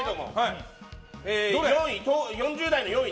４０代の４位。